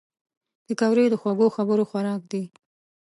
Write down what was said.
پکورې د خوږو خبرو خوراک دي